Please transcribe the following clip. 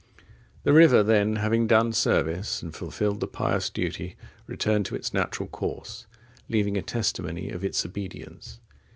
The river then having done service and fulfilled the pious duty, returned to its natural course, leaving a testimony of its obedience.